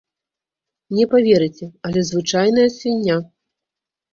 Не паверыце, але звычайная свіння.